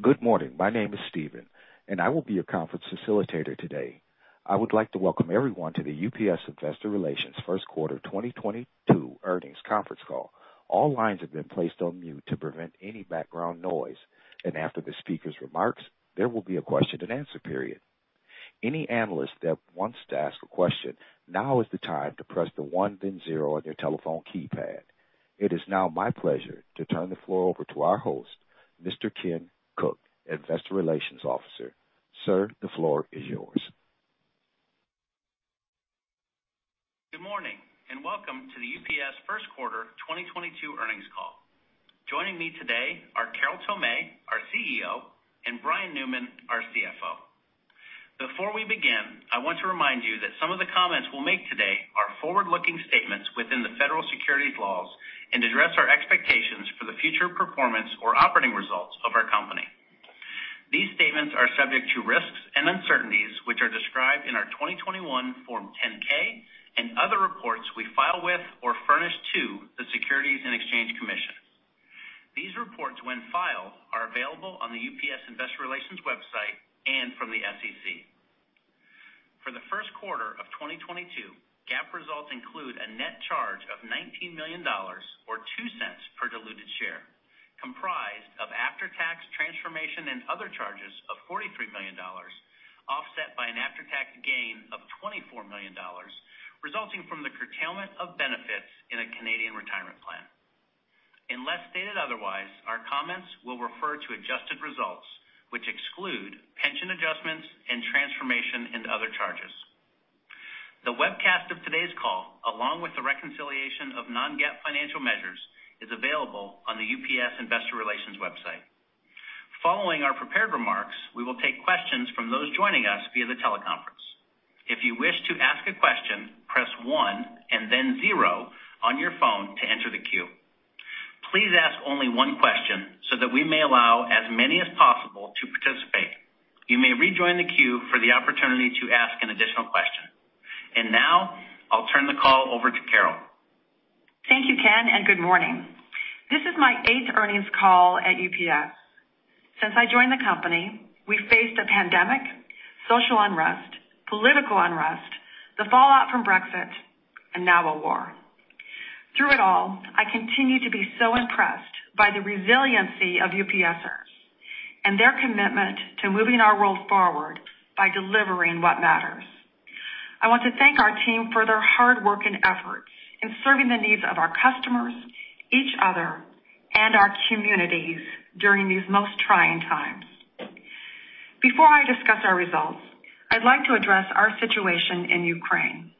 Good morning. My name is Steven, and I will be your conference facilitator today. I would like to welcome everyone to the UPS Investor Relations first quarter 2022 earnings conference call. All lines have been placed on mute to prevent any background noise, and after the speaker's remarks, there will be a question-and-answer period. Any analyst that wants to ask a question, now is the time to press the one then zero on your telephone keypad. It is now my pleasure to turn the floor over to our host, Mr. Ken Cook, Investor Relations Officer. Sir, the floor is yours. Good morning, and welcome to the UPS first quarter 2022 earnings call. Joining me today are Carol Tomé, our CEO, and Brian Newman, our CFO. Before we begin, I want to remind you that some of the comments we'll make today are forward-looking statements within the federal securities laws and address our expectations for the future performance or operating results of our company. These statements are subject to risks and uncertainties, which are described in our 2021 Form 10-K and other reports we file with or furnish to the Securities and Exchange Commission. These reports, when filed, are available on the UPS Investor Relations website and from the SEC. For the first quarter of 2022, GAAP results include a net charge of $19 million or $0.02 per diluted share, comprised of after-tax transformation and other charges of $43 million, offset by an after-tax gain of $24 million resulting from the curtailment of benefits in a Canadian retirement plan. Unless stated otherwise, our comments will refer to adjusted results, which exclude pension adjustments and transformation and other charges. The webcast of today's call, along with the reconciliation of non-GAAP financial measures, is available on the UPS Investor Relations website. Following our prepared remarks, we will take questions from those joining us via the teleconference. If you wish to ask a question, press one and then zero on your phone to enter the queue. Please ask only one question so that we may allow as many as possible to participate. You may rejoin the queue for the opportunity to ask an additional question. Now I'll turn the call over to Carol. Thank you, Ken, and good morning. This is my eighth earnings call at UPS. Since I joined the company, we faced a pandemic, social unrest, political unrest, the fallout from Brexit, and now a war. Through it all, I continue to be so impressed by the resiliency of UPSers and their commitment to moving our world forward by delivering what matters. I want to thank our team for their hard work and efforts in serving the needs of our customers, each other, and our communities during these most trying times. Before I discuss our results, I'd like to address our situation in Ukraine.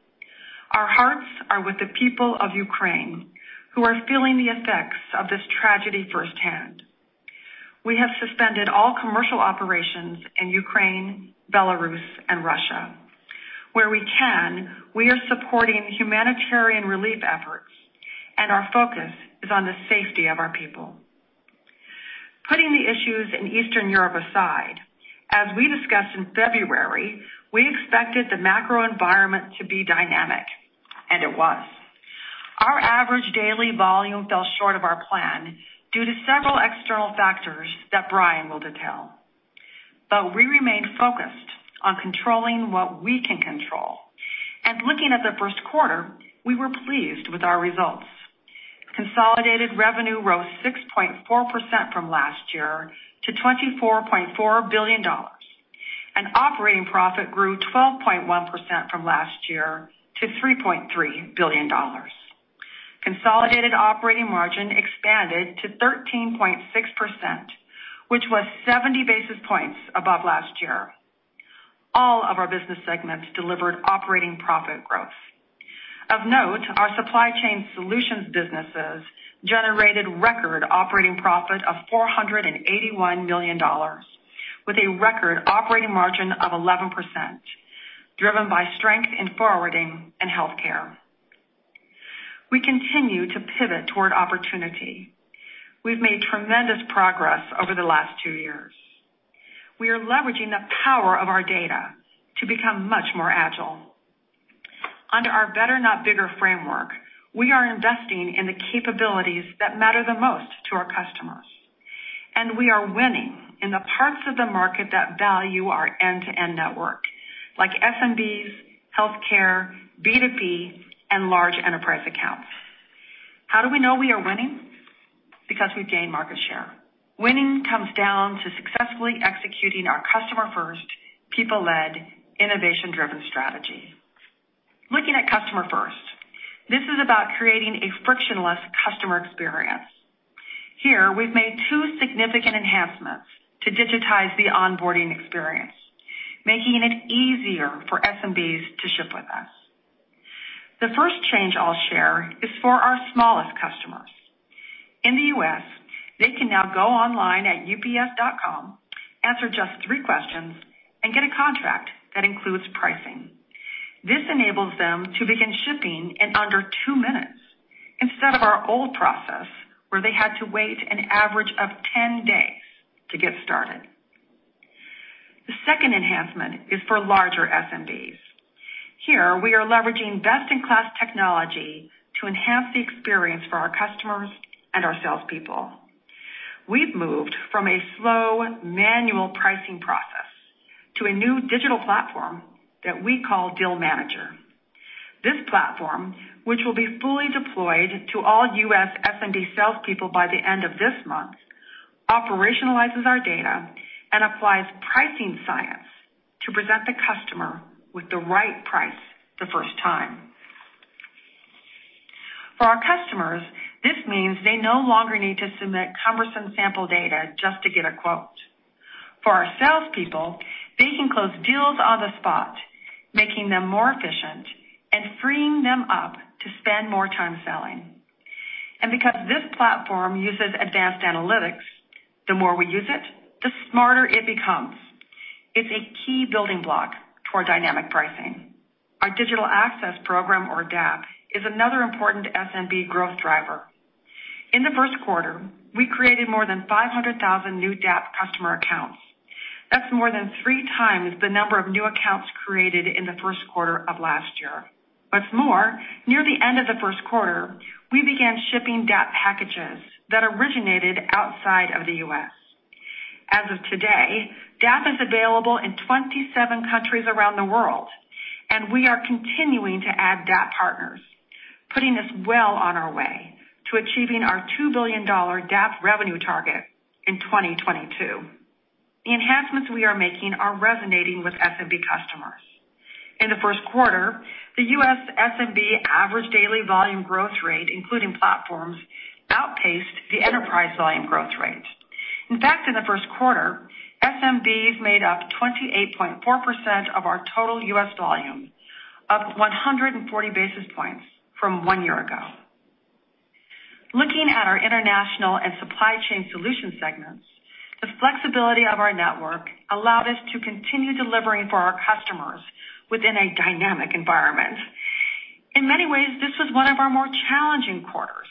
Our hearts are with the people of Ukraine who are feeling the effects of this tragedy firsthand. We have suspended all commercial operations in Ukraine, Belarus and Russia. Where we can, we are supporting humanitarian relief efforts, and our focus is on the safety of our people. Putting the issues in Eastern Europe aside, as we discussed in February, we expected the macro environment to be dynamic, and it was. Our average daily volume fell short of our plan due to several external factors that Brian will detail. We remained focused on controlling what we can control. Looking at the first quarter, we were pleased with our results. Consolidated revenue rose 6.4% from last year to $24.4 billion. Operating profit grew 12.1% from last year to $3.3 billion. Consolidated operating margin expanded to 13.6%, which was 70 basis points above last year. All of our business segments delivered operating profit growth. Of note, our Supply Chain Solutions businesses generated record operating profit of $481 million with a record operating margin of 11%, driven by strength in forwarding and healthcare. We continue to pivot toward opportunity. We've made tremendous progress over the last two years. We are leveraging the power of our data to become much more agile. Under our better, not bigger framework, we are investing in the capabilities that matter the most to our customers, and we are winning in the parts of the market that value our end-to-end network, like SMBs, healthcare, B2B, and large enterprise accounts. How do we know we are winning? Because we've gained market share. Winning comes down to successfully executing our customer first, people-led, innovation-driven strategy. Looking at customer first, this is about creating a frictionless customer experience. Here, we've made two significant enhancements to digitize the onboarding experience, making it easier for SMBs to ship with us. The first change I'll share is for our smallest customers. In the U.S., they can now go online at ups.com, answer just three questions, and get a contract that includes pricing. This enables them to begin shipping in under two minutes instead of our old process, where they had to wait an average of 10 days to get started. Second enhancement is for larger SMBs. Here we are leveraging best in class technology to enhance the experience for our customers and our salespeople. We've moved from a slow manual pricing process to a new digital platform that we call Deal Manager. This platform, which will be fully deployed to all U.S., SMB salespeople by the end of this month, operationalizes our data and applies pricing science to present the customer with the right price the first time. For our customers, this means they no longer need to submit cumbersome sample data just to get a quote. For our salespeople, they can close deals on the spot, making them more efficient and freeing them up to spend more time selling. Because this platform uses advanced analytics, the more we use it, the smarter it becomes. It's a key building block toward dynamic pricing. Our digital access program, or DAP, is another important SMB growth driver. In the first quarter, we created more than 500,000 new DAP customer accounts. That's more than three times the number of new accounts created in the first quarter of last year. What's more, near the end of the first quarter, we began shipping DAP packages that originated outside of the U.S.,. As of today, DAP is available in 27 countries around the world, and we are continuing to add DAP partners, putting us well on our way to achieving our $2 billion DAP revenue target in 2022. The enhancements we are making are resonating with SMB customers. In the first quarter, the U.S., SMB average daily volume growth rate, including platforms, outpaced the enterprise volume growth rate. In fact, in the first quarter, SMBs made up 28.4% of our total U.S., volume, up 140 basis points from one year ago. Looking at our International and Supply Chain Solutions segments, the flexibility of our network allowed us to continue delivering for our customers within a dynamic environment. In many ways, this was one of our more challenging quarters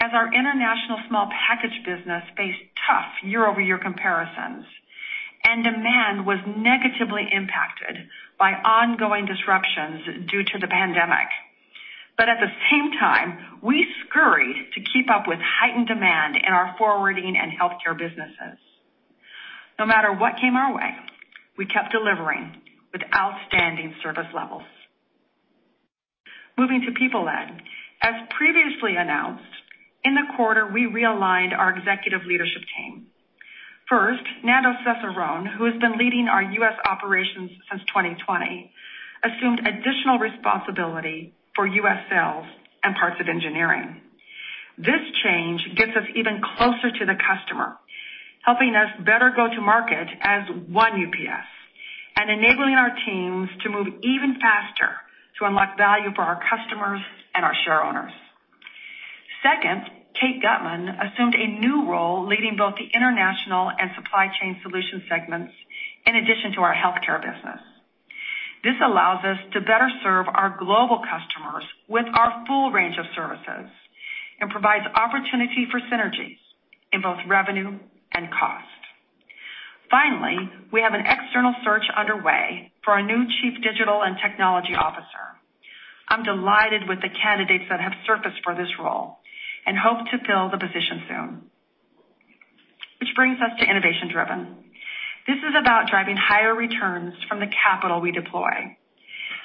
as our international small package business faced tough year-over-year comparisons and demand was negatively impacted by ongoing disruptions due to the pandemic. At the same time, we scurried to keep up with heightened demand in our forwarding and healthcare businesses. No matter what came our way, we kept delivering with outstanding service levels. Moving to People Led. As previously announced, in the quarter, we realigned our executive leadership team. First, Nando Cesarone, who has been leading our US operations since 2020, assumed additional responsibility for US sales and parts of engineering. This change gets us even closer to the customer, helping us better go to market as one UPS and enabling our teams to move even faster to unlock value for our customers and our shareowners. Second, Kate Gutmann assumed a new role leading both the International and Supply Chain Solutions segments in addition to our healthcare business. This allows us to better serve our global customers with our full range of services and provides opportunity for synergies in both revenue and cost. Finally, we have an external search underway for our new Chief Digital and Technology Officer. I'm delighted with the candidates that have surfaced for this role and hope to fill the position soon. Which brings us to innovation driven. This is about driving higher returns from the capital we deploy.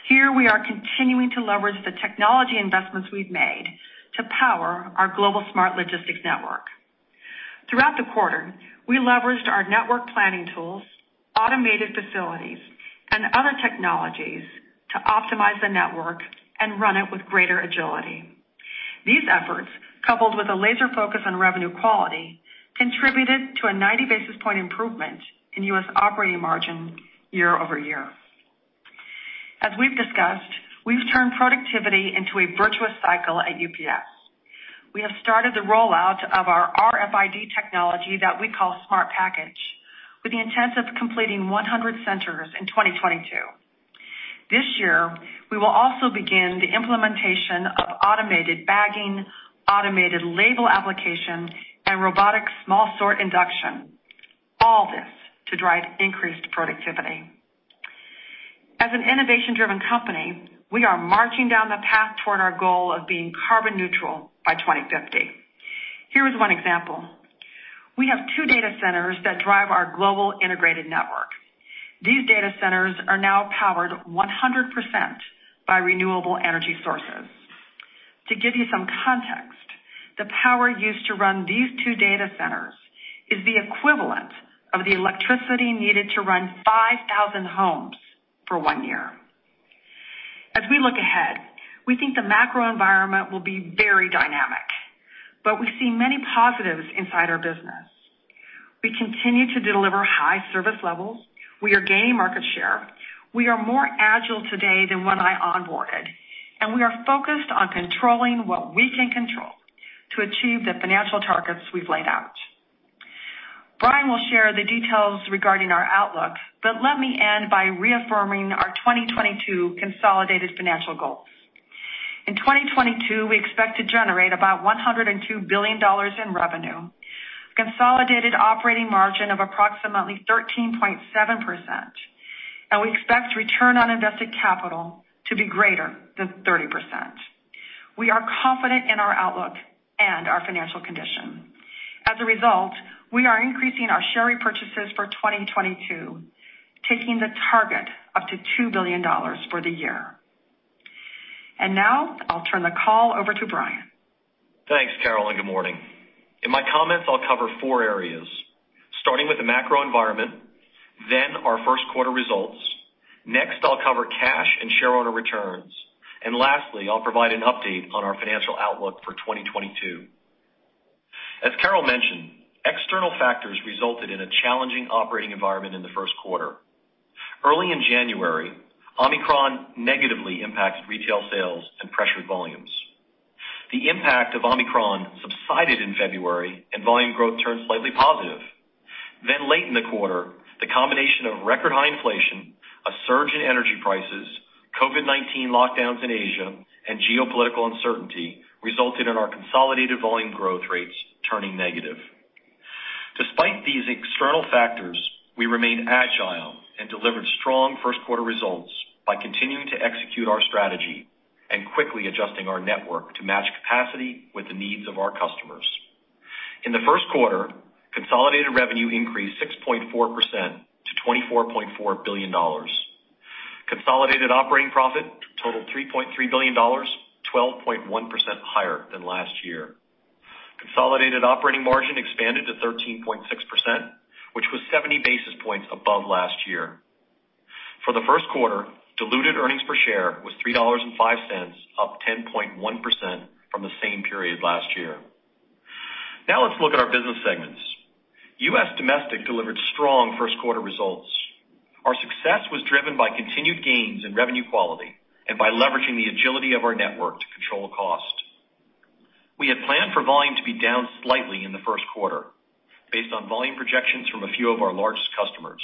Here we are continuing to leverage the technology investments we've made to power our global smart logistics network. Throughout the quarter, we leveraged our network planning tools, automated facilities, and other technologies to optimize the network and run it with greater agility. These efforts, coupled with a laser focus on revenue quality, contributed to a 90 basis points improvement in US operating margin year-over-year. We've discussed, we've turned productivity into a virtuous cycle at UPS. We have started the rollout of our RFID technology that we call Smart Package with the intent of completing 100 centers in 2022. This year, we will also begin the implementation of automated bagging, automated label application, and robotic small sort induction, all this to drive increased productivity. As an innovation-driven company, we are marching down the path toward our goal of being carbon neutral by 2050. Here is one example. We have two data centers that drive our global integrated network. These data centers are now powered 100% by renewable energy sources. To give you some context, the power used to run these two data centers is the equivalent of the electricity needed to run 5,000 homes for one year. As we look ahead, we think the macro environment will be very dynamic, but we see many positives inside our business. We continue to deliver high service levels. We are gaining market share. We are more agile today than when I onboarded, and we are focused on controlling what we can control to achieve the financial targets we've laid out. Brian will share the details regarding our outlook, but let me end by reaffirming our 2022 consolidated financial goals. In 2022, we expect to generate about $102 billion in revenue, consolidated operating margin of approximately 13.7%, and we expect return on invested capital to be greater than 30%. We are confident in our outlook and our financial condition. As a result, we are increasing our share repurchases for 2022, taking the target up to $2 billion for the year. Now I'll turn the call over to Brian. Thanks, Carol, and good morning. In my comments, I'll cover four areas, starting with the macro environment, then our first quarter results. Next, I'll cover cash and shareowner returns. Lastly, I'll provide an update on our financial outlook for 2022. As Carol mentioned, external factors resulted in a challenging operating environment in the first quarter. Early in January, Omicron negatively impacts retail sales and pressured volumes. The impact of Omicron subsided in February and volume growth turned slightly positive. Late in the quarter, the combination of record-high inflation, a surge in energy prices, COVID-19 lockdowns in Asia, and geopolitical uncertainty resulted in our consolidated volume growth rates turning negative. Despite these external factors, we remain agile and delivered strong first quarter results by continuing to execute our strategy and quickly adjusting our network to match capacity with the needs of our customers. In the first quarter, consolidated revenue increased 6.4% to $24.4 billion. Consolidated operating profit totaled $3.3 billion, 12.1% higher than last year. Consolidated operating margin expanded to 13.6%, which was 70 basis points above last year. For the first quarter, diluted earnings per share was $3.05, up 10.1% from the same period last year. Now let's look at our business segments. US Domestic delivered strong first quarter results. Our success was driven by continued gains in revenue quality and by leveraging the agility of our network to control cost. We had planned for volume to be down slightly in the first quarter based on volume projections from a few of our largest customers.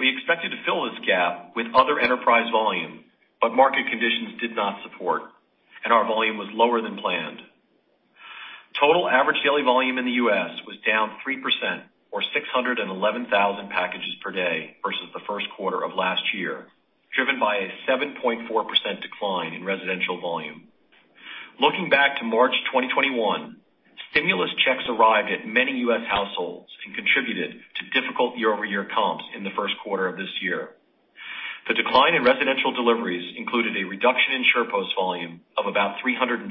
We expected to fill this gap with other enterprise volume, but market conditions did not support, and our volume was lower than planned. Total average daily volume in the U.S., was down 3% or 611,000 packages per day versus the first quarter of last year, driven by a 7.4% decline in residential volume. Looking back to March 2021, stimulus checks arrived at many US households and contributed to difficult year-over-year comps in the first quarter of this year. The decline in residential deliveries included a reduction in SurePost volume of about 312,000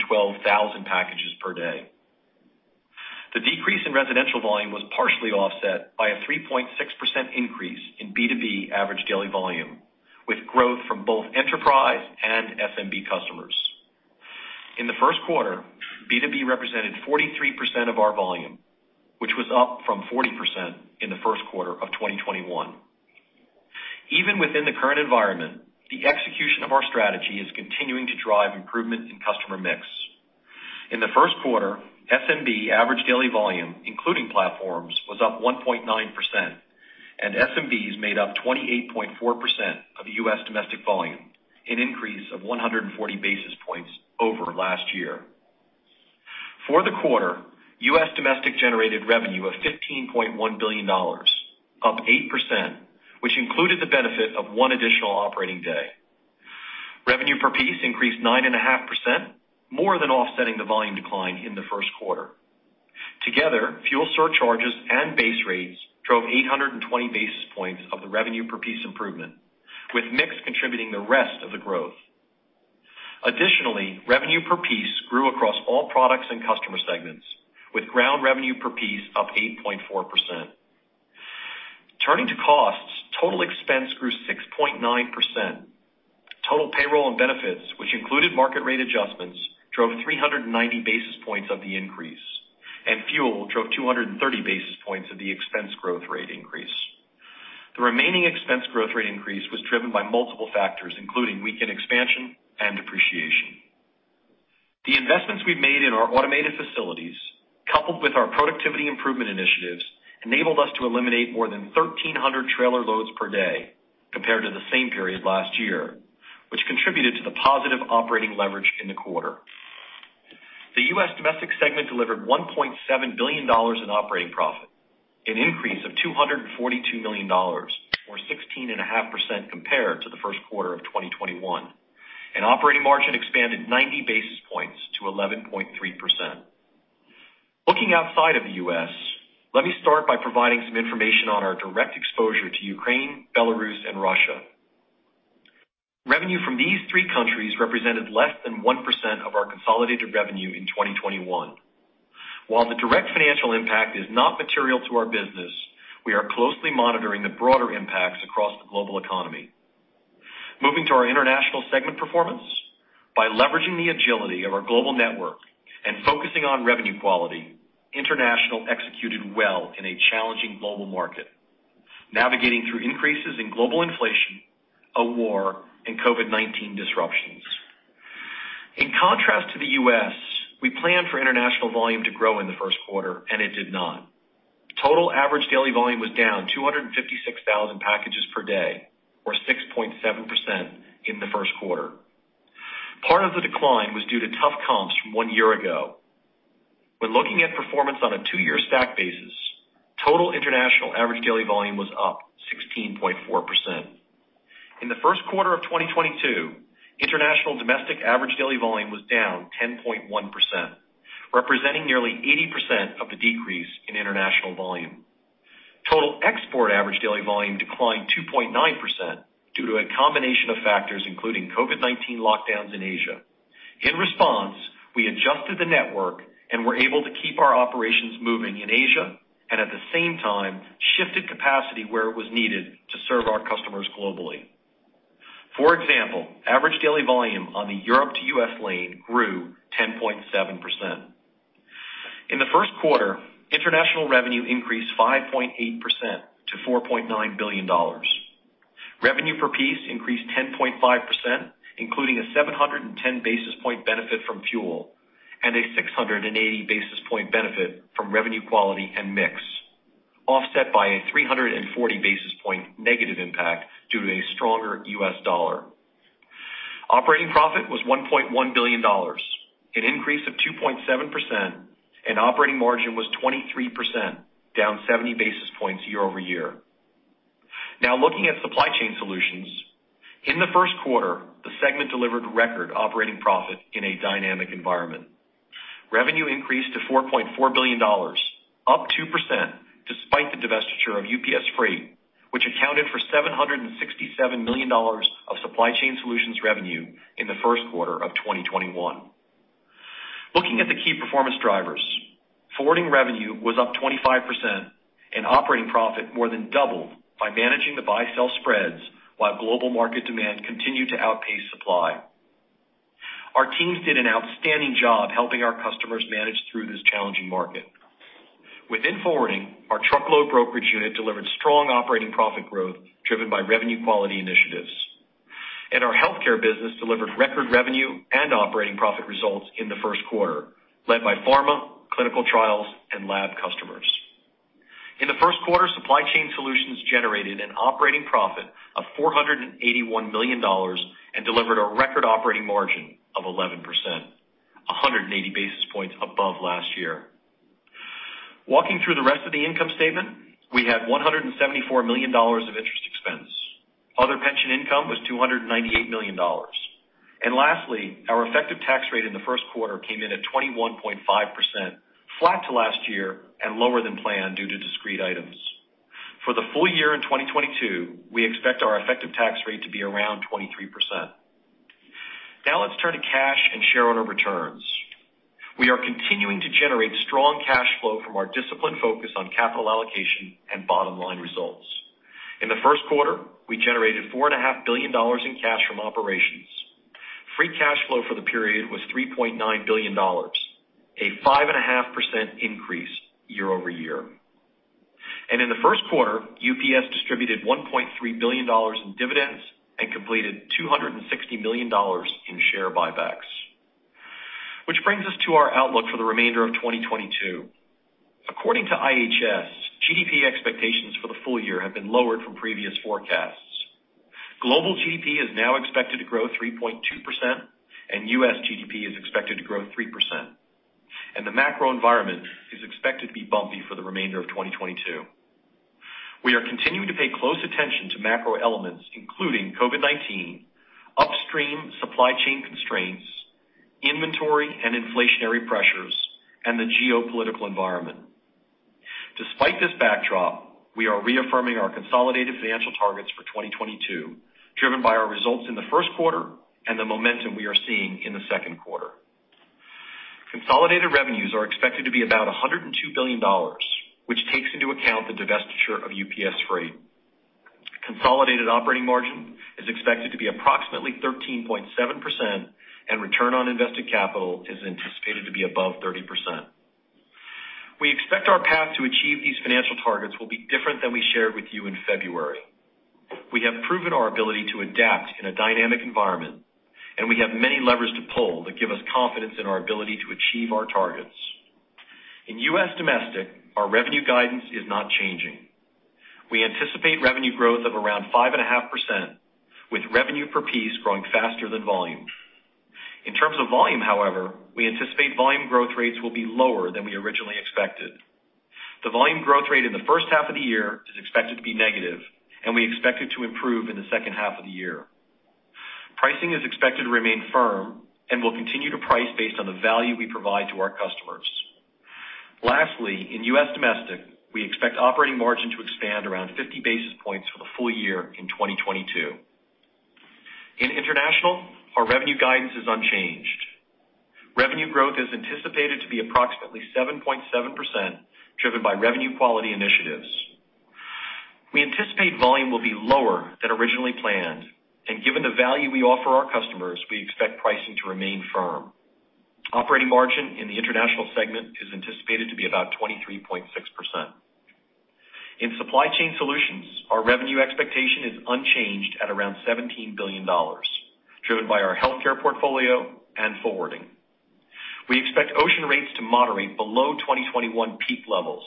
packages per day. The decrease in residential volume was partially offset by a 3.6% increase in B2B average daily volume, with growth from both enterprise and SMB customers. In the first quarter, B2B represented 43% of our volume, which was up from 40% in the first quarter of 2021. Even within the current environment, the execution of our strategy is continuing to drive improvement in customer mix. In the first quarter, SMB average daily volume, including platforms, was up 1.9%, and SMBs made up 28.4% of US Domestic volume, an increase of 140 basis points over last year. For the quarter, US Domestic generated revenue of $15.1 billion, up 8%, which included the benefit of one additional operating day. Revenue per piece increased 9.5%, more than offsetting the volume decline in the first quarter. Together, fuel surcharges and base rates drove 820 basis points of the revenue per piece improvement, with mix contributing the rest of the growth. Additionally, revenue per piece grew across all products and customer segments, with ground revenue per piece up 8.4%. Turning to costs, total expense grew 6.9%. Total payroll and benefits, which included market rate adjustments, drove 390 basis points of the increase, and fuel drove 230 basis points of the expense growth rate increase. The remaining expense growth rate increase was driven by multiple factors, including weekend expansion and depreciation. The investments we've made in our automated facilities, coupled with our productivity improvement initiatives, enabled us to eliminate more than 1,300 trailer loads per day compared to the same period last year, which contributed to the positive operating leverage in the quarter. The US Domestic segment delivered $1.7 billion in operating profit, an increase of $242 million or 16.5% compared to the first quarter of 2021, and operating margin expanded 90 basis points to 11.3%. Looking outside of the U.S., let me start by providing some information on our direct exposure to Ukraine, Belarus, and Russia. Revenue from these three countries represented less than 1% of our consolidated revenue in 2021. While the direct financial impact is not material to our business, we are closely monitoring the broader impacts across the global economy. Moving to our International segment performance. By leveraging the agility of our global network and focusing on revenue quality, International executed well in a challenging global market, navigating through increases in global inflation, a war, and COVID-19 disruptions. We planned for international volume to grow in the first quarter, and it did not. Total average daily volume was down 256,000 packages per day, or 6.7% in the first quarter. Part of the decline was due to tough comps from one year ago. When looking at performance on a two-year stack basis, total international average daily volume was up 16.4%. In the first quarter of 2022, international domestic average daily volume was down 10.1%, representing nearly 80% of the decrease in international volume. Total export average daily volume declined 2.9% due to a combination of factors, including COVID-19 lockdowns in Asia. In response, we adjusted the network and were able to keep our operations moving in Asia and at the same time shifted capacity where it was needed to serve our customers globally. For example, average daily volume on the Europe to U.S., lane grew 10.7%. In the first quarter, international revenue increased 5.8% to $4.9 billion. Revenue per piece increased 10.5%, including a 710 basis points benefit from fuel and a 680 basis points benefit from revenue quality and mix, offset by a 340 basis points negative impact due to a stronger US dollar. Operating profit was $1.1 billion, an increase of 2.7%, and operating margin was 23%, down 70 basis points year-over-year. Now looking at Supply Chain Solutions. In the first quarter, the segment delivered record operating profit in a dynamic environment. Revenue increased to $4.4 billion, up 2% despite the divestiture of UPS Freight, which accounted for $767 million of Supply Chain Solutions revenue in the first quarter of 2021. Looking at the key performance drivers, forwarding revenue was up 25% and operating profit more than doubled by managing the buy sell spreads while global market demand continued to outpace supply. Our teams did an outstanding job helping our customers manage through this challenging market. Within forwarding, our truckload brokerage unit delivered strong operating profit growth driven by revenue quality initiatives. Our healthcare business delivered record revenue and operating profit results in the first quarter, led by pharma, clinical trials, and lab customers. In the first quarter, Supply Chain Solutions generated an operating profit of $481 million and delivered a record operating margin of 11%, 180 basis points above last year. Walking through the rest of the income statement, we had $174 million of interest expense. Other pension income was $298 million. Lastly, our effective tax rate in the first quarter came in at 21.5%, flat to last year and lower than planned due to discrete items. For the full year in 2022, we expect our effective tax rate to be around 23%. Now let's turn to cash and shareowner returns. We are continuing to generate strong cash flow from our disciplined focus on capital allocation and bottom-line results. In the first quarter, we generated $4 and a half billion in cash from operations. Free cash flow for the period was $3.9 billion, a 5.5% increase year-over-year. In the first quarter, UPS distributed $1.3 billion in dividends and completed $260 million in share buybacks. Which brings us to our outlook for the remainder of 2022. According to IHS, GDP expectations for the full year have been lowered from previous forecasts. Global GDP is now expected to grow 3.2%, and U.S., GDP is expected to grow 3%, and the macro environment is expected to be bumpy for the remainder of 2022. We are continuing to pay close attention to macro elements, including COVID-19, upstream supply chain constraints, inventory and inflationary pressures, and the geopolitical environment. Despite this backdrop, we are reaffirming our consolidated financial targets for 2022, driven by our results in the first quarter and the momentum we are seeing in the second quarter. Consolidated revenues are expected to be about $102 billion, which takes into account the divestiture of UPS Freight. Consolidated operating margin is expected to be approximately 13.7%, and return on invested capital is anticipated to be above 30%. We expect our path to achieve these financial targets will be different than we shared with you in February. We have proven our ability to adapt in a dynamic environment, and we have many levers to pull that give us confidence in our ability to achieve our targets. In US Domestic, our revenue guidance is not changing. We anticipate revenue growth of around 5.5%, with revenue per piece growing faster than volume. In terms of volume, however, we anticipate volume growth rates will be lower than we originally expected. The volume growth rate in the first half of the year is expected to be negative, and we expect it to improve in the second half of the year. Pricing is expected to remain firm, and we'll continue to price based on the value we provide to our customers. Lastly, in US Domestic, we expect operating margin to expand around 50 basis points for the full year in 2022. In International, our revenue guidance is unchanged. Revenue growth is anticipated to be approximately 7.7%, driven by revenue quality initiatives. We anticipate volume will be lower than originally planned, and given the value we offer our customers, we expect pricing to remain firm. Operating margin in the International segment is anticipated to be about 23.6%. In Supply Chain Solutions, our revenue expectation is unchanged at around $17 billion, driven by our healthcare portfolio and forwarding. We expect ocean rates to moderate below 2021 peak levels.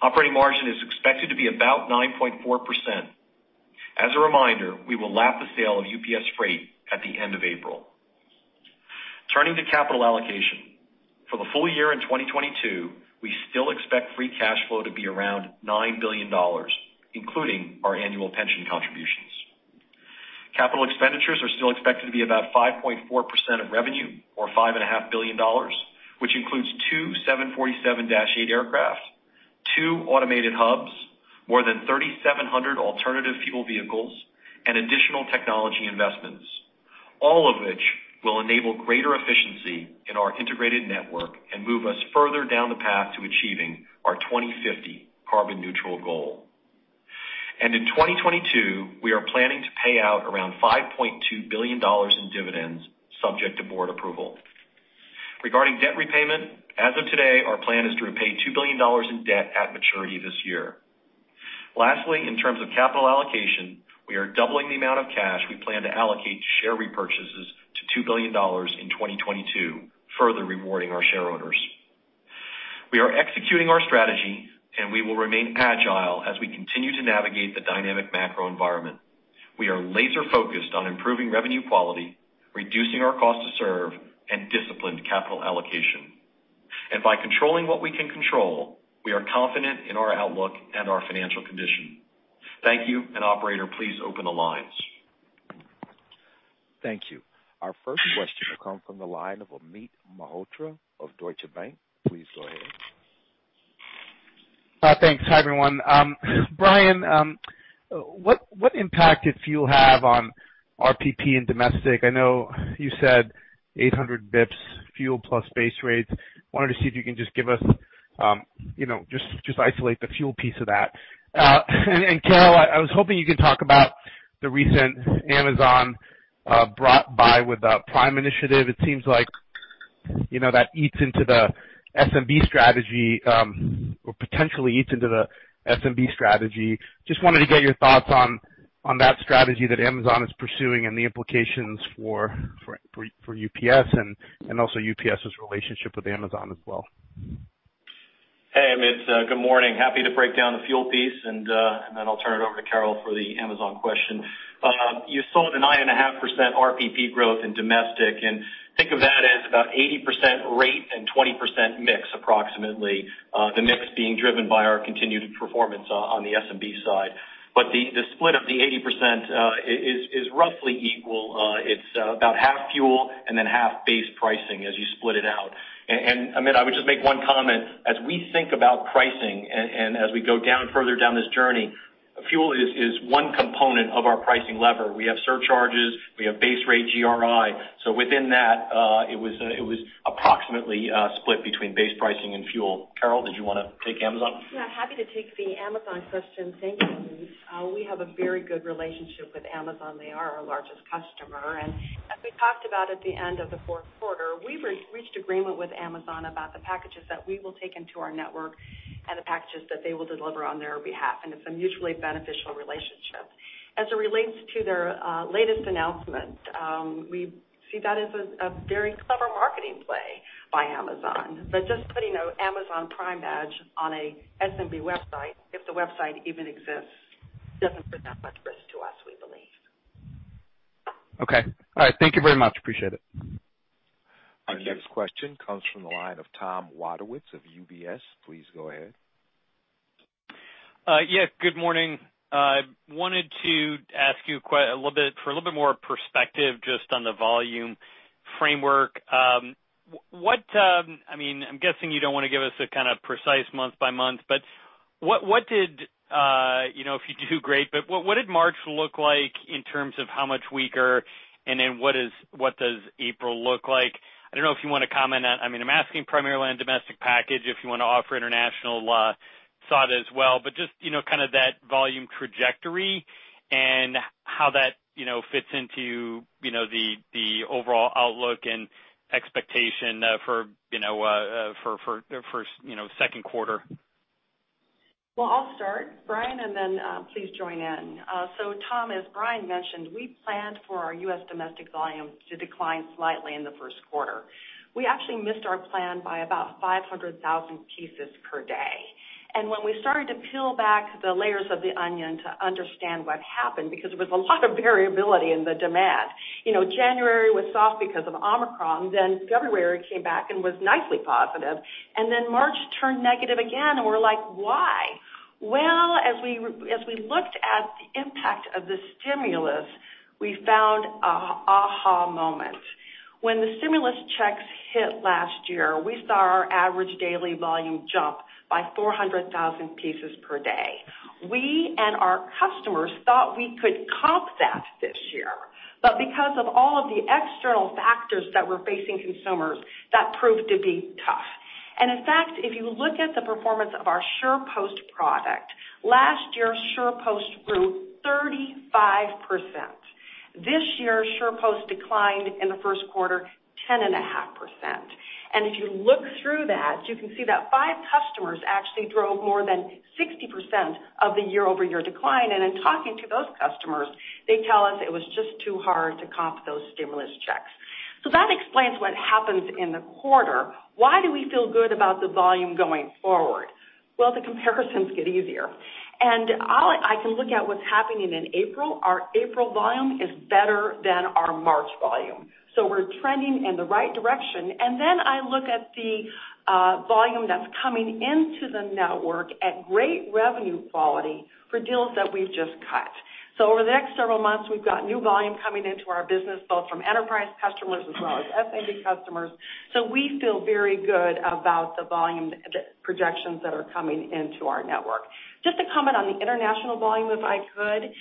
Operating margin is expected to be about 9.4%. As a reminder, we will lap the sale of UPS Freight at the end of April. Turning to capital allocation. For the full year in 2022, we still expect free cash flow to be around $9 billion, including our annual pension contributions. Capital expenditures are still expected to be about 5.4% of revenue or $5.5 billion, which includes two 747-8 aircraft, two automated hubs, more than 3,700 alternative fuel vehicles, and additional technology investments. All of which will enable greater efficiency in our integrated network and move us further down the path to achieving our 2050 carbon neutral goal. In 2022, we are planning to pay out around $5.2 billion in dividends subject to board approval. Regarding debt repayment, as of today, our plan is to repay $2 billion in debt at maturity this year. Lastly, in terms of capital allocation, we are doubling the amount of cash we plan to allocate to share repurchases to $2 billion in 2022, further rewarding our shareholders. We are executing our strategy, and we will remain agile as we continue to navigate the dynamic macro environment. We are laser-focused on improving revenue quality, reducing our cost to serve, and disciplined capital allocation. By controlling what we can control, we are confident in our outlook and our financial condition. Thank you. Operator, please open the lines. Thank you. Our first question will come from the line of Amit Mehrotra of Deutsche Bank. Please go ahead. Thanks. Hi, everyone. Brian, what impact did fuel have on RPP and domestic? I know you said 800 basis points fuel plus base rates. Wanted to see if you can just give us, you know, just isolate the fuel piece of that. And Carol, I was hoping you could talk about the recent Amazon brought about by the Prime initiative. It seems like, you know, that eats into the SMB strategy, or potentially eats into the SMB strategy. Just wanted to get your thoughts on that strategy that Amazon is pursuing and the implications for UPS and also UPS's relationship with Amazon as well. Hey, Amit, good morning. Happy to break down the fuel piece and then I'll turn it over to Carol for the Amazon question. You saw the 9.5% RPP growth in domestic, and think of that as about 80% rate and 20% mix approximately, the mix being driven by our continued performance on the SMB side. The split of the 80% is roughly equal. It's about half fuel and then half base pricing as you split it out. Amit, I would just make one comment. As we think about pricing and as we go down further down this journey, fuel is one component of our pricing lever. We have surcharges, we have base rate GRI. Within that, it was approximately split between base pricing and fuel. Carol, did you wanna take Amazon? Yeah, happy to take the Amazon question. Thank you, Amit. We have a very good relationship with Amazon. They are our largest customer. As we talked about at the end of the fourth quarter, we reached agreement with Amazon about the packages that we will take into our network and the packages that they will deliver on their behalf. It's a mutually beneficial relationship. As it relates to their latest announcement, we see that as a very clever marketing play by Amazon. Just putting Amazon Prime badge on a SMB website, if the website even exists, doesn't present much risk to us, we believe. Okay. All right. Thank you very much. Appreciate it. Our next question comes from the line of Tom Wadewitz of UBS. Please go ahead. Yeah, good morning. Wanted to ask you for a little bit more perspective just on the volume framework. I mean, I'm guessing you don't wanna give us a kind of precise month by month, but what did, you know, if you do, great, but what did March look like in terms of how much weaker? And then what does April look like? I don't know if you want to comment on, I mean, I'm asking primarily on domestic package, if you want to offer international thought as well, but just, you know, kind of that volume trajectory and how that, you know, fits into, you know, the overall outlook and expectation for, you know, second quarter. Well, I'll start, Brian, and then please join in. So Tom, as Brian mentioned, we planned for our US Domestic volume to decline slightly in the first quarter. We actually missed our plan by about 500,000 pieces per day. When we started to peel back the layers of the onion to understand what happened, because there was a lot of variability in the demand. You know, January was soft because of Omicron, then February came back and was nicely positive, and then March turned negative again, and we're like, "Why?" Well, as we looked at the impact of the stimulus, we found aha moment. When the stimulus checks hit last year, we saw our average daily volume jump by 400,000 pieces per day. We and our customers thought we could comp that this year. Because of all of the external factors that were facing consumers, that proved to be tough. In fact, if you look at the performance of our SurePost product, last year, SurePost grew 35%. This year, SurePost declined in the first quarter 10.5%. If you look through that, you can see that five customers actually drove more than 60% of the year-over-year decline. In talking to those customers, they tell us it was just too hard to comp those stimulus checks. That explains what happens in the quarter. Why do we feel good about the volume going forward? The comparisons get easier. I can look at what's happening in April. Our April volume is better than our March volume, so we're trending in the right direction. I look at the volume that's coming into the network at great revenue quality for deals that we've just cut. Over the next several months, we've got new volume coming into our business, both from enterprise customers as well as SMB customers. We feel very good about the volume projections that are coming into our network. Just to comment on the international volume, if I could.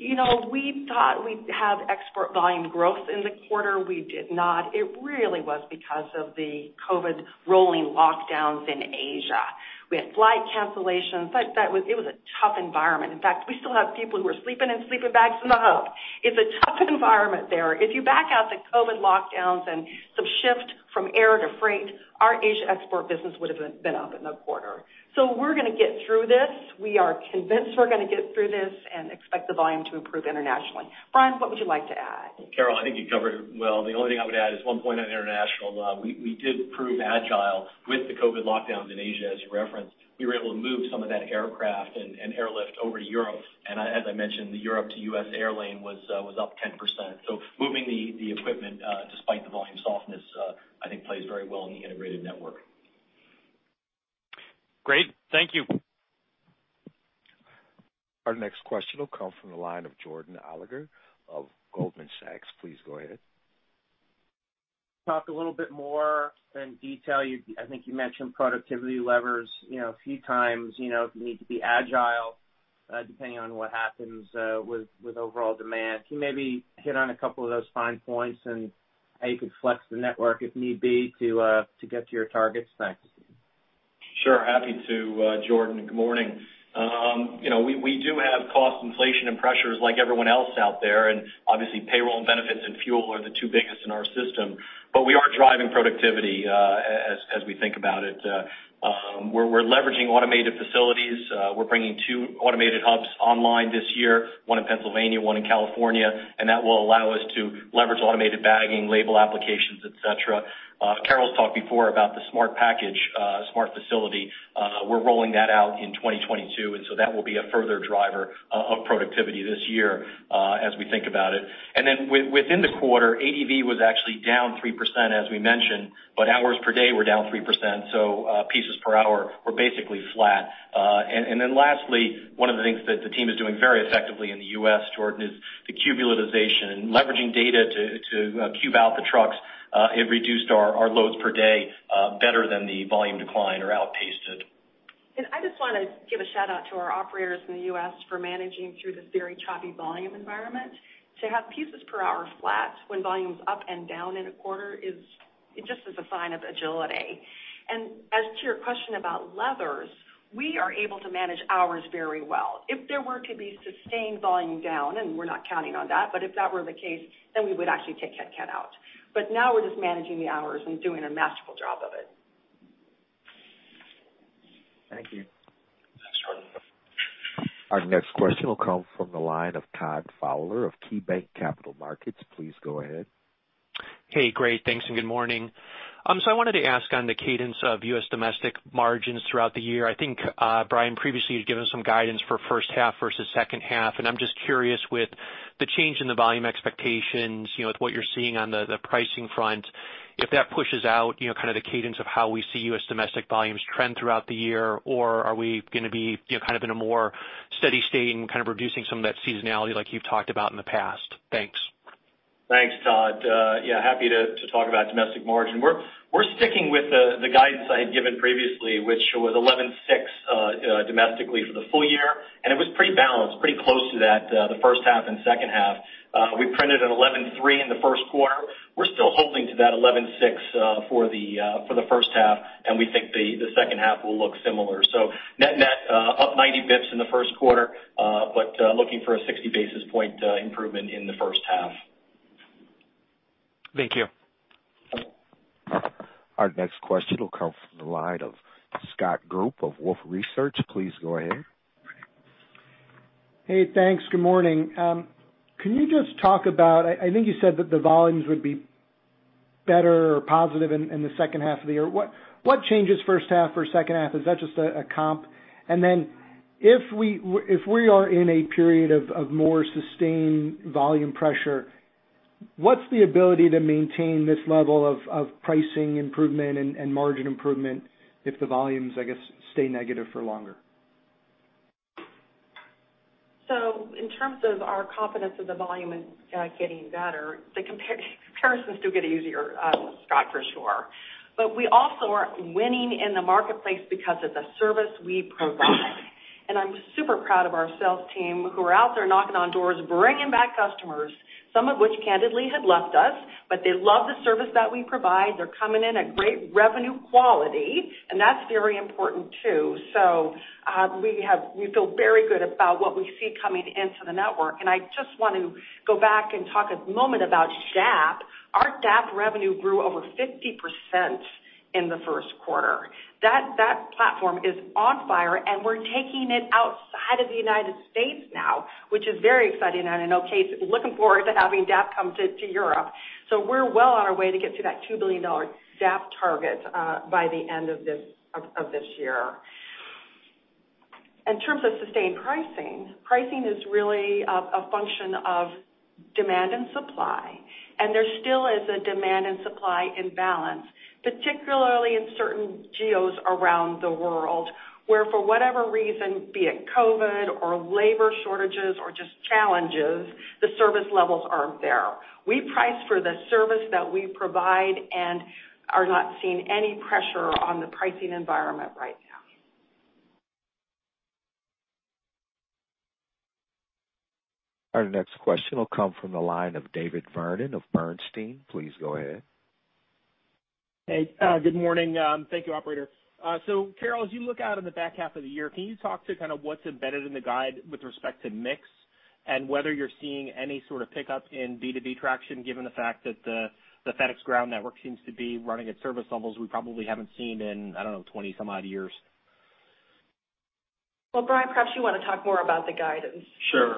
You know, we thought we'd have export volume growth in the quarter. We did not. It really was because of the COVID rolling lockdowns in Asia. We had flight cancellations. Like it was a tough environment. In fact, we still have people who are sleeping in sleeping bags in the hub. It's a tough environment there. If you back out the COVID lockdowns and some shift from air to freight, our Asia export business would've been up in the quarter. We're gonna get through this. We are convinced we're gonna get through this and expect the volume to improve internationally. Brian, what would you like to add? Carol, I think you covered it well. The only thing I would add is one point on international. We did prove agile with the COVID lockdowns in Asia, as you referenced. We were able to move some of that aircraft and airlift over to Europe. As I mentioned, the Europe to U.S., air lane was up 10%. Moving the equipment, despite the volume softness, I think plays very well in the integrated network. Great. Thank you. Our next question will come from the line of Jordan Alliger of Goldman Sachs. Please go ahead. Talk a little bit more in detail. I think you mentioned productivity levers, you know, a few times, you know, if you need to be agile, depending on what happens with overall demand. Can you maybe hit on a couple of those fine points and how you could flex the network if need be to get to your targets? Thanks. Sure. Happy to, Jordan. Good morning. You know, we do have cost inflation and pressures like everyone else out there, and obviously payroll and benefits and fuel are the two biggest in our system. We are driving productivity, as we think about it. We're leveraging automated facilities. We're bringing two automated hubs online this year, one in Pennsylvania, one in California, and that will allow us to leverage automated bagging, label applications, et cetera. Carol's talked before about the Smart Package, Smart Facility. We're rolling that out in 2022, and so that will be a further driver of productivity this year, as we think about it. Within the quarter, ADV was actually down 3%, as we mentioned, but hours per day were down 3%, so pieces per hour were basically flat. Then lastly, one of the things that the team is doing very effectively in the U.S., Jordan, is the cube utilization and leveraging data to cube out the trucks. It reduced our loads per day better than the volume decline or outpaced it. I just wanna give a shout-out to our operators in the U.S., for managing through this very choppy volume environment. To have pieces per hour flat when volume's up and down in a quarter is just a sign of agility. As to your question about levers, we are able to manage hours very well. If there were to be sustained volume down, and we're not counting on that, but if that were the case, then we would actually take headcount out. Now we're just managing the hours and doing a masterful job of it. Thank you. Thanks, Jordan. Our next question will come from the line of Todd Fowler of KeyBanc Capital Markets. Please go ahead. Hey, great. Thanks, and good morning. So I wanted to ask on the cadence of US Domestic margins throughout the year. I think, Brian previously had given some guidance for first half versus second half, and I'm just curious with the change in the volume expectations, you know, with what you're seeing on the pricing front, if that pushes out, you know, kind of the cadence of how we see US Domestic volumes trend throughout the year, or are we gonna be, you know, kind of in a more steady state and kind of reducing some of that seasonality like you've talked about in the past? Thanks. Thanks, Todd. Yeah, happy to talk about domestic margin. We're sticking with the guidance I had given previously, which was 11.6% domestically for the full year, and it was pretty balanced, pretty close to that, the first half and second half. We printed at 11.3% in the first quarter. We're still holding to that 11.6% for the first half, and we think the second half will look similar. Net-net, up 90 BPS in the first quarter, but looking for a 60 basis point improvement in the first half. Thank you. Our next question will come from the line of Scott Group of Wolfe Research. Please go ahead. Hey, thanks. Good morning. I think you said that the volumes would be better or positive in the second half of the year. What changes first half or second half? Is that just a comp? Then if we are in a period of more sustained volume pressure, what's the ability to maintain this level of pricing improvement and margin improvement if the volumes, I guess, stay negative for longer? In terms of our confidence that the volume is getting better, the comparisons do get easier, Scott, for sure. We also are winning in the marketplace because of the service we provide. I'm super proud of our sales team who are out there knocking on doors, bringing back customers, some of which candidly had left us. They love the service that we provide. They're coming in at great revenue quality, and that's very important too. We feel very good about what we see coming into the network. I just want to go back and talk a moment about DAP. Our DAP revenue grew over 50% in the first quarter. That platform is on fire, and we're taking it outside of the United States now, which is very exciting. I know Kate's looking forward to having DAP come to Europe. We're well on our way to get to that $2 billion DAP target by the end of this year. In terms of sustained pricing is really a function of demand and supply, and there still is a demand and supply imbalance, particularly in certain geos around the world, where for whatever reason, be it COVID or labor shortages or just challenges, the service levels aren't there. We price for the service that we provide and are not seeing any pressure on the pricing environment right now. Our next question will come from the line of David Vernon of Bernstein. Please go ahead. Hey, good morning. Thank you, operator. So Carol, as you look out in the back half of the year, can you talk to kind of what's embedded in the guide with respect to mix and whether you're seeing any sort of pickup in B2B traction, given the fact that the FedEx Ground network seems to be running at service levels we probably haven't seen in, I don't know, 20-some-odd years? Well, Brian, perhaps you want to talk more about the guidance. Sure.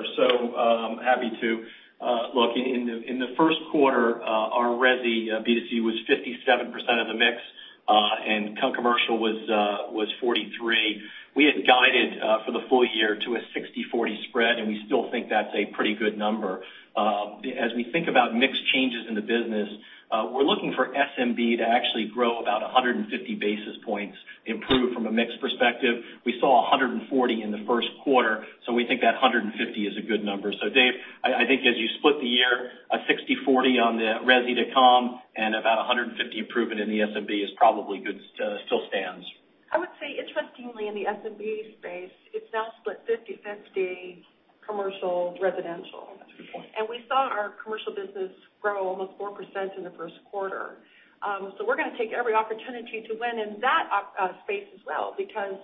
Happy to. Look, in the first quarter, our resi B2C was 57% of the mix, and commercial was 43%. We had guided for the full year to a 60%-40% spread, and we still think that's a pretty good number. As we think about mix changes in the business, we're looking for SMB to actually grow about 150 basis points, improve from a mix perspective. We saw 140 basis points in the first quarter, so we think that 150 basis points is a good number. Dave, I think as you split the year, a 60%-40% on the resi to com and about 150 basis points improvement in the SMB is probably good, still stands. I would say interestingly in the SMB space, it's now split 50/50 commercial, residential. That's a good point. We saw our commercial business grow almost 4% in the first quarter. We're gonna take every opportunity to win in that space as well because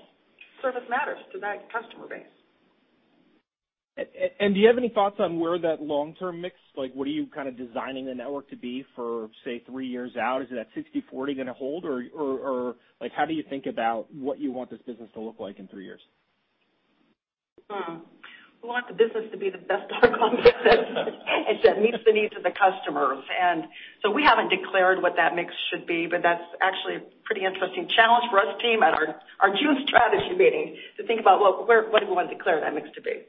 service matters to that customer base. Do you have any thoughts on where that long-term mix, like what are you kind of designing the network to be for, say, three years out? Is that 60/40 gonna hold or, like how do you think about what you want this business to look like in three years? We want the business to be the best darn company that meets the needs of the customers. We haven't declared what that mix should be, but that's actually a pretty interesting challenge for us to aim at our June strategy meeting to think about what, where, what do we want to declare that mix to be.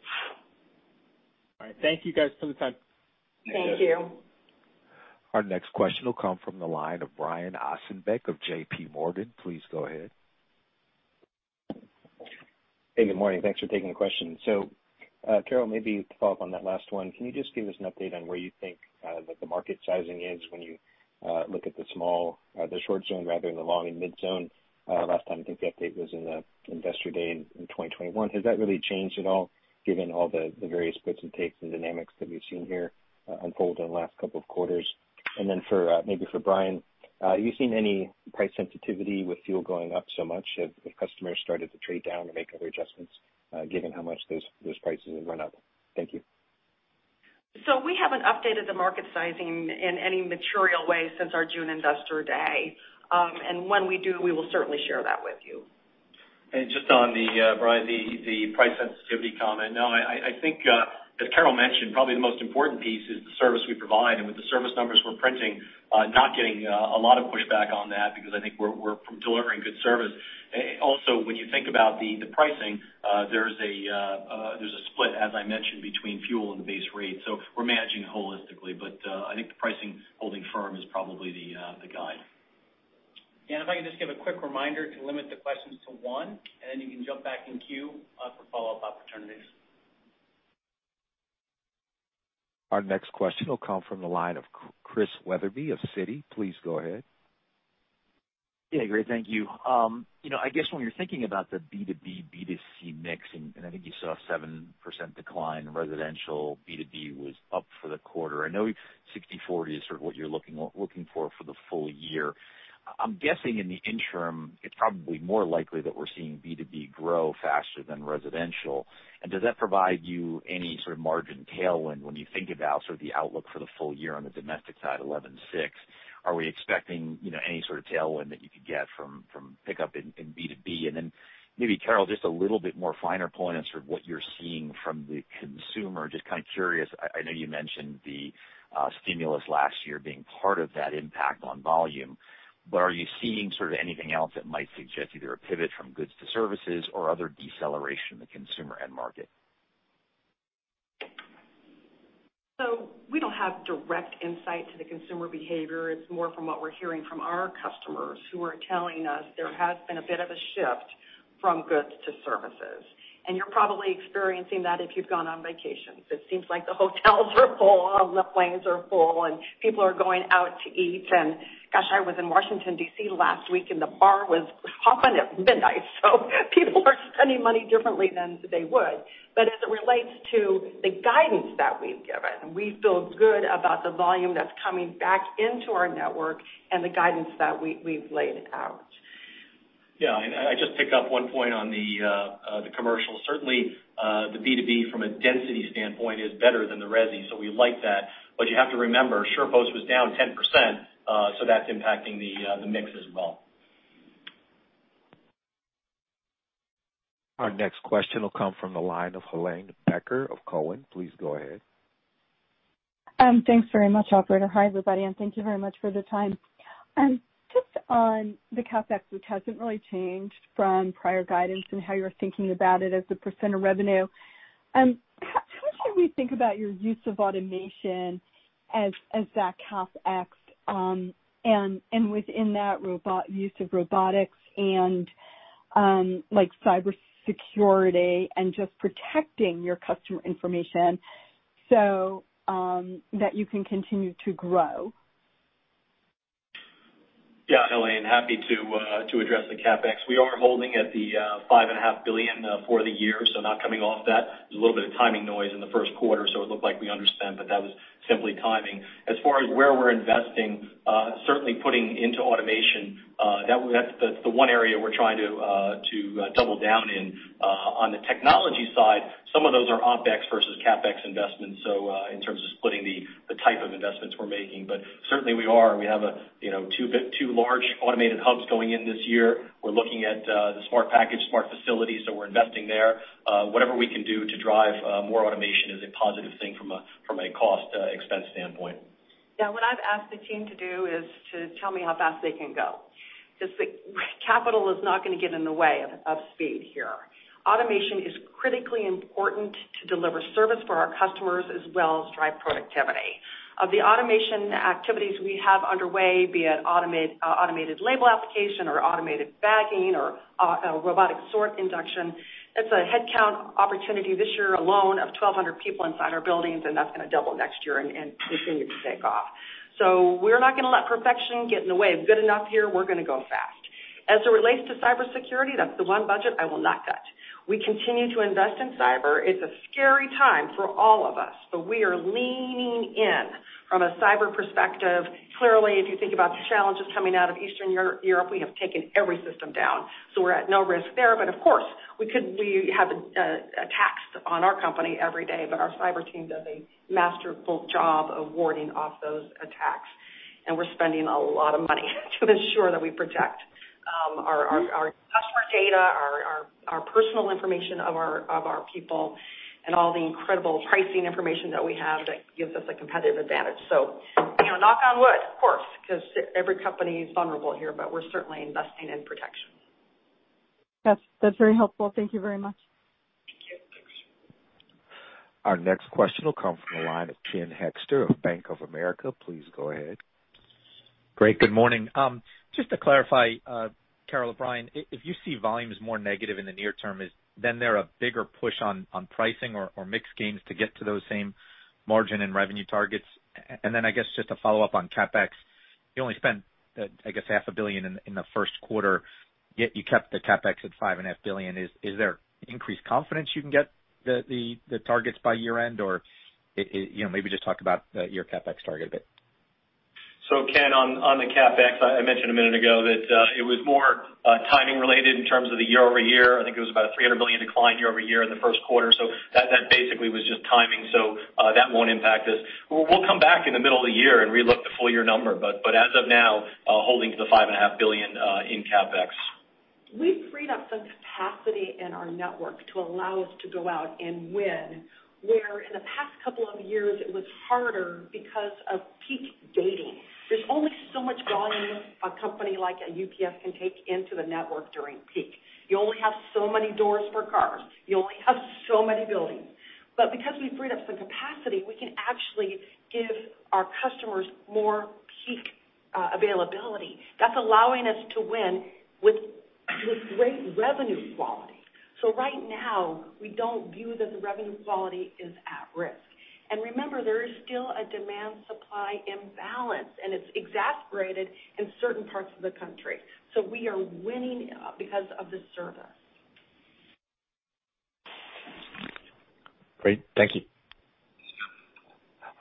All right. Thank you guys for the time. Thank you. You bet. Our next question will come from the line of Brian Ossenbeck of J.P. Morgan. Please go ahead. Hey, good morning. Thanks for taking the question. Carol, maybe to follow up on that last one, can you just give us an update on where you think the market sizing is when you look at the short zone rather than the long and mid zone? Last time I think the update was in the Investor Day in 2021. Has that really changed at all given all the various gives and takes and dynamics that we've seen here unfold in the last couple of quarters? Then maybe for Brian, are you seeing any price sensitivity with fuel going up so much? Have customers started to trade down or make other adjustments given how much those prices have gone up? Thank you. We haven't updated the market sizing in any material way since our June Investor Day. When we do, we will certainly share that with you. Just on the Brian, the price sensitivity comment. No, I think, as Carol mentioned, probably the most important piece is the service we provide. With the service numbers we're printing, not getting a lot of pushback on that because I think we're delivering good service. Also, when you think about the pricing, there's a split, as I mentioned, between fuel and the base rate. We're managing holistically, but I think the pricing holding firm is probably the guide. If I can just give a quick reminder to limit the questions to one, and then you can jump back in queue for follow-up opportunities. Our next question will come from the line of Christian Wetherbee of Citi. Please go ahead. Yeah, great. Thank you. You know, I guess when you're thinking about the B2B, B2C mix, and I think you saw a 7% decline in residential, B2B was up for the quarter. I know 60/40 is sort of what you're looking for for the full year. I'm guessing in the interim, it's probably more likely that we're seeing B2B grow faster than residential. Does that provide you any sort of margin tailwind when you think about sort of the outlook for the full year on the domestic side, 11/6? Are we expecting, you know, any sort of tailwind that you could get from pickup in B2B? And then maybe Carol, just a little bit more finer point on sort of what you're seeing from the consumer. I'm just kind of curious. I know you mentioned the stimulus last year being part of that impact on volume, but are you seeing sort of anything else that might suggest either a pivot from goods to services or other deceleration in the consumer end market? We don't have direct insight to the consumer behavior. It's more from what we're hearing from our customers who are telling us there has been a bit of a shift from goods to services. You're probably experiencing that if you've gone on vacation, because it seems like the hotels are full and the planes are full, and people are going out to eat. Gosh, I was in Washington, D.C. last week, and the bar was hopping at midnight. People are spending money differently than they would. As it relates to the guidance that we've given, we feel good about the volume that's coming back into our network and the guidance that we've laid out. Yeah, I just picked up one point on the commercial. Certainly, the B2B from a density standpoint is better than the resi, so we like that. You have to remember, SurePost was down 10%, so that's impacting the mix as well. Our next question will come from the line of Helane Becker of Cowen. Please go ahead. Thanks very much, operator. Hi, everybody, and thank you very much for the time. Just on the CapEx, which hasn't really changed from prior guidance and how you're thinking about it as a % of revenue, how should we think about your use of automation as that CapEx, and within that use of robotics and, like, cybersecurity and just protecting your customer information so that you can continue to grow? Yeah, Helane, happy to address the CapEx. We are holding at the $5.5 billion for the year, so not coming off that. There's a little bit of timing noise in the first quarter, so it looked like we underspent, but that was simply timing. As far as where we're investing, certainly putting into automation, that's the one area we're trying to double down in. On the technology side, some of those are OpEx versus CapEx investments, so in terms of splitting the type of investments we're making. But certainly we are. We have a, you know, two large automated hubs going in this year. We're looking at the Smart Package, Smart Facilities, so we're investing there. Whatever we can do to drive more automation is a positive thing from a cost expense standpoint. Yeah. What I've asked the team to do is to tell me how fast they can go. 'Cause the capital is not gonna get in the way of speed here. Automation is critically important to deliver service for our customers as well as drive productivity. Of the automation activities we have underway, automated label application or automated bagging or robotic sort induction, it's a headcount opportunity this year alone of 1,200 people inside our buildings, and that's gonna double next year and continue to take off. We're not gonna let perfection get in the way of good enough here. We're gonna go fast. As it relates to cybersecurity, that's the one budget I will not cut. We continue to invest in cyber. It's a scary time for all of us, but we are leaning in from a cyber perspective. Clearly, if you think about the challenges coming out of Eastern Europe, we have taken every system down, so we're at no risk there. Of course, we have attacks on our company every day, but our cyber team does a masterful job of warding off those attacks. We're spending a lot of money to ensure that we protect our customer data, our personal information of our people and all the incredible pricing information that we have that gives us a competitive advantage. You know, knock on wood, of course, 'cause every company's vulnerable here, but we're certainly investing in protection. That's very helpful. Thank you very much. Yeah. Thanks. Our next question will come from the line of Ken Hoexter of Bank of America. Please go ahead. Great. Good morning. Just to clarify, Carol or Brian, if you see volumes more negative in the near term, is there then a bigger push on pricing or mix gains to get to those same margin and revenue targets? I guess just to follow up on CapEx, you only spent I guess $0.5 billion in the first quarter, yet you kept the CapEx at $5.5 billion. Is there increased confidence you can get the targets by year end? Or you know, maybe just talk about your CapEx target a bit. Ken, on the CapEx, I mentioned a minute ago that it was more timing related in terms of the year-over-year. I think it was about a $300 million decline year-over-year in the first quarter. That basically was just timing. That won't impact us. We'll come back in the middle of the year and re-look the full year number, but as of now, holding to the $5.5 billion in CapEx. We've freed up some capacity in our network to allow us to go out and win, where in the past couple of years it was harder because of peak dating. There's only so much volume a company like a UPS can take into the network during peak. You only have so many doors for cars. You only have so many buildings. because we've freed up some capacity, we can actually give our customers more peak availability. That's allowing us to win with great revenue quality. right now we don't view that the revenue quality is at risk. remember, there is still a demand supply imbalance, and it's exacerbated in certain parts of the country. we are winning because of the service. Great. Thank you.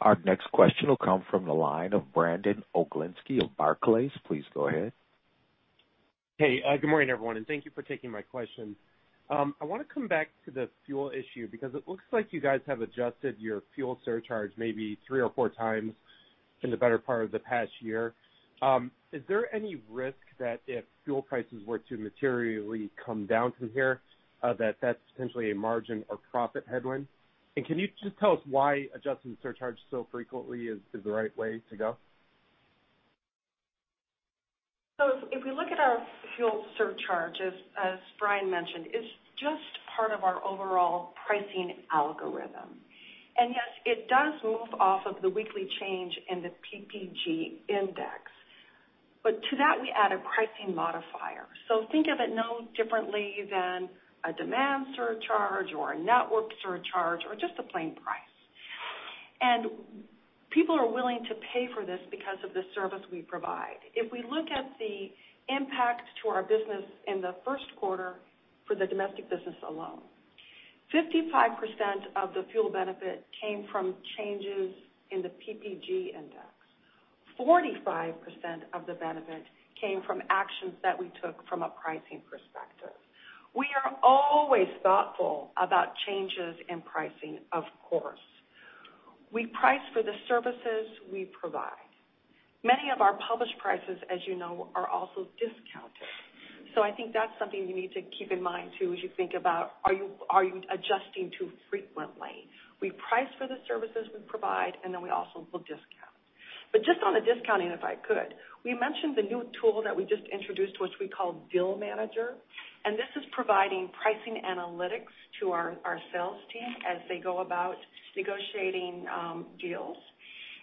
Our next question will come from the line of Brandon Oglenski of Barclays. Please go ahead. Hey, good morning, everyone, and thank you for taking my question. I wanna come back to the fuel issue because it looks like you guys have adjusted your fuel surcharge maybe three or four times in the better part of the past year. Is there any risk that if fuel prices were to materially come down from here, that that's potentially a margin or profit headwind? Can you just tell us why adjusting the surcharge so frequently is the right way to go? If we look at our fuel surcharge, as Brian mentioned, it's just part of our overall pricing algorithm. Yes, it does move off of the weekly change in the PPG index. To that, we add a pricing modifier. Think of it no differently than a demand surcharge or a network surcharge or just a plain price. People are willing to pay for this because of the service we provide. If we look at the impact to our business in the first quarter for the domestic business alone, 55% of the fuel benefit came from changes in the PPG index. 45% of the benefit came from actions that we took from a pricing perspective. We are always thoughtful about changes in pricing, of course. We price for the services we provide. Many of our published prices, as you know, are also discounted. I think that's something you need to keep in mind, too, as you think about, are you adjusting too frequently? We price for the services we provide, and then we also will discount. Just on the discounting, if I could, we mentioned the new tool that we just introduced, which we call Deal Manager, and this is providing pricing analytics to our sales team as they go about negotiating deals.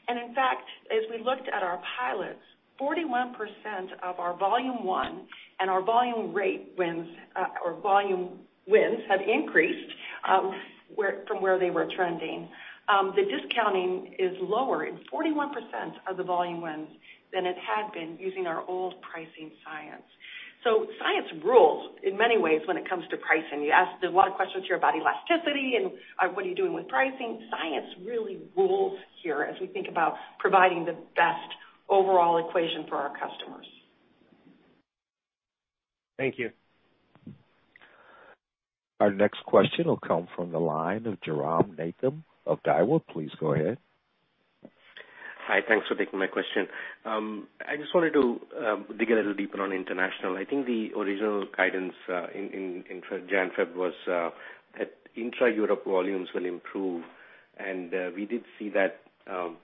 In fact, as we looked at our pilots, 41% of our volume won and our volume rate wins or volume wins have increased from where they were trending. The discounting is lower in 41% of the volume wins than it had been using our old pricing science. Science rules in many ways when it comes to pricing. You asked a lot of questions here about elasticity and what are you doing with pricing. Science really rules here as we think about providing the best overall equation for our customers. Thank you. Our next question will come from the line of Jairam Nathan of Daiwa. Please go ahead. Hi. Thanks for taking my question. I just wanted to dig a little deeper on international. I think the original guidance in January, February was that intra-Europe volumes will improve, and we did see that kind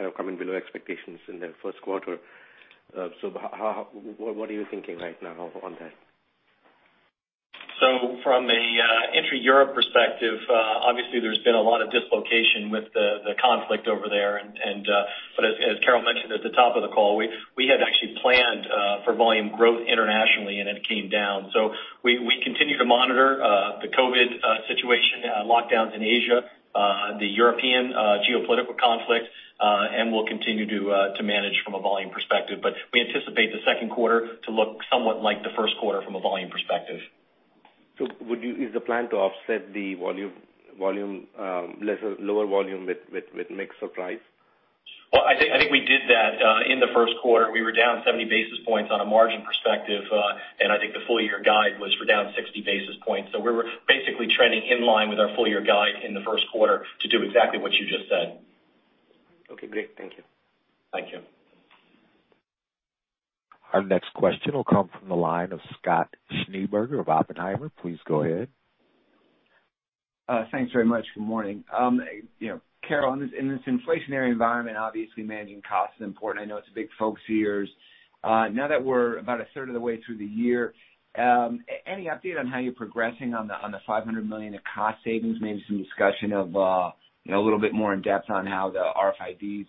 of coming below expectations in the first quarter. What are you thinking right now on that? From a intra-Europe perspective, obviously there's been a lot of dislocation with the conflict over there. As Carol mentioned at the top of the call, we had actually planned for volume growth internationally and it came down. We continue to monitor the COVID situation, lockdowns in Asia, the European geopolitical conflict, and we'll continue to manage from a volume perspective. We anticipate the second quarter to look somewhat like the first quarter from a volume perspective. Is the plan to offset the lower volume with mix of price? Well, I think we did that in the first quarter. We were down 70 basis points on a margin perspective, and I think the full year guide was for down 60 basis points. We were basically trending in line with our full year guide in the first quarter to do exactly what you just said. Okay, great. Thank you. Thank you. Our next question will come from the line of Scott Schneeberger of Oppenheimer. Please go ahead. Thanks very much. Good morning. You know, Carol, in this inflationary environment, obviously managing cost is important. I know it's a big focus of yours. Now that we're about a third of the way through the year, any update on how you're progressing on the $500 million of cost savings? Maybe some discussion of, you know, a little bit more in depth on how the RFIDs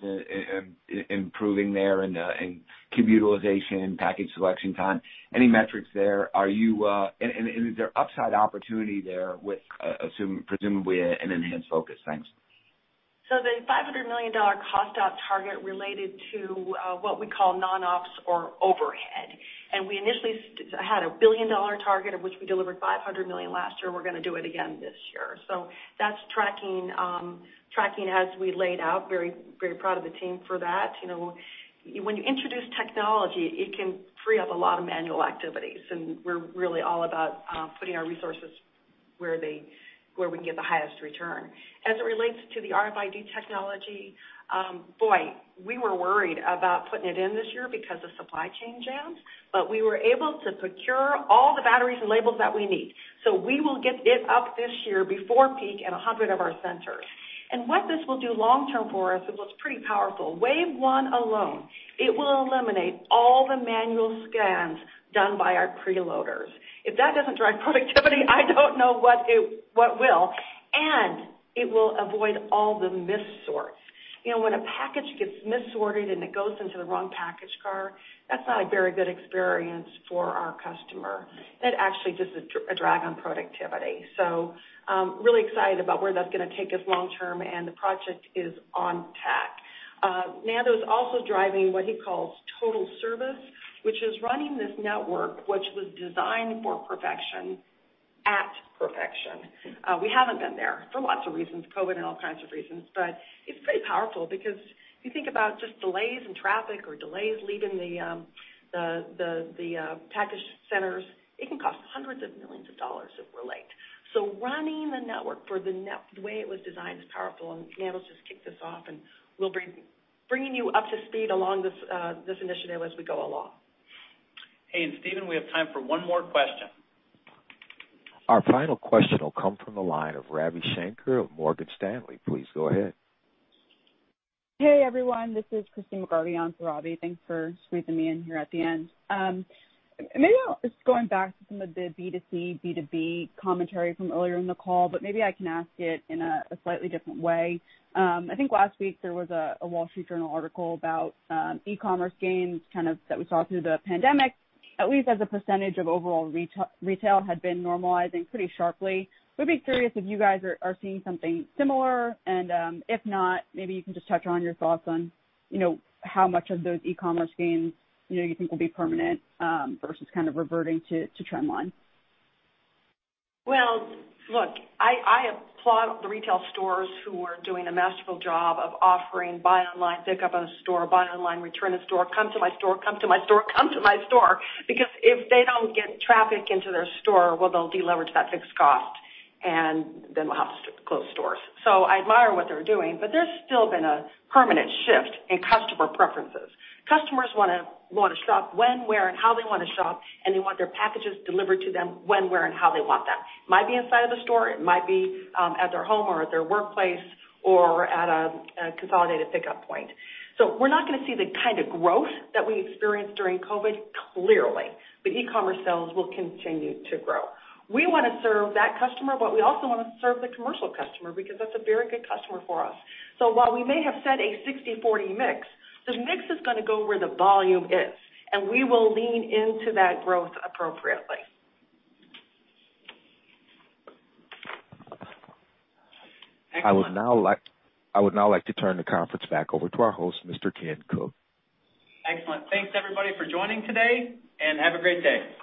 improving there and cube utilization, package selection time. Any metrics there? Is there upside opportunity there with, presumably an enhanced focus? Thanks. The $500 million cost out target related to what we call non-ops or overhead. We initially had a $1 billion target of which we delivered $500 million last year. We're gonna do it again this year. That's tracking as we laid out. Very, very proud of the team for that. You know, when you introduce technology, it can free up a lot of manual activities, and we're really all about putting our resources where we can get the highest return. As it relates to the RFID technology, boy, we were worried about putting it in this year because of supply chain jams, but we were able to procure all the batteries and labels that we need. We will get it up this year before peak in 100 of our centers. What this will do long term for us, it looks pretty powerful. Wave one alone, it will eliminate all the manual scans done by our pre-loaders. If that doesn't drive productivity, I don't know what will. It will avoid all the missorts. You know, when a package gets missorted and it goes into the wrong package car, that's not a very good experience for our customer. It actually just a drag on productivity. Really excited about where that's gonna take us long term and the project is on track. Nando is also driving what he calls total service, which is running this network, which was designed for perfection at perfection. We haven't been there for lots of reasons, COVID and all kinds of reasons, but it's pretty powerful because you think about just delays in traffic or delays leaving the package centers. It can cost hundreds of millions of dollars if we're late. Running the network the way it was designed is powerful, and Nando's just kicked us off, and we'll bring you up to speed along this initiative as we go along. Hey, Steven, we have time for one more question. Our final question will come from the line of Ravi Shanker of Morgan Stanley. Please go ahead. Hey, everyone. This is Kristine Liwag for Ravi. Thanks for squeezing me in here at the end. Maybe I'll just going back to some of the B2C, B2B commentary from earlier in the call, but maybe I can ask it in a slightly different way. I think last week there was a Wall Street Journal article about e-commerce gains kind of that we saw through the pandemic, at least as a percentage of overall retail had been normalizing pretty sharply. I'd be curious if you guys are seeing something similar, and if not, maybe you can just touch on your thoughts on, you know, how much of those e-commerce gains, you know, you think will be permanent versus kind of reverting to trend line. Well, look, I applaud the retail stores who are doing a masterful job of offering buy online, pick up in store, buy online, return in store, come to my store. Because if they don't get traffic into their store, well, they'll deleverage that fixed cost, and then we'll have to close stores. I admire what they're doing, but there's still been a permanent shift in customer preferences. Customers wanna shop when, where, and how they wanna shop, and they want their packages delivered to them when, where, and how they want that. It might be inside of the store, it might be at their home or at their workplace or at a consolidated pickup point. We're not gonna see the kind of growth that we experienced during COVID, clearly, but e-commerce sales will continue to grow. We wanna serve that customer, but we also wanna serve the commercial customer because that's a very good customer for us. While we may have set a 60/40 mix, the mix is gonna go where the volume is, and we will lean into that growth appropriately. Excellent. I would now like to turn the conference back over to our host, Mr. Ken Cook. Excellent. Thanks everybody for joining today, and have a great day.